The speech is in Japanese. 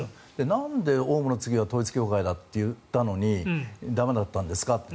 なんでオウムの次は統一教会だといったのに駄目だったんですかと。